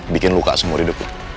bikin luka semua hidup lo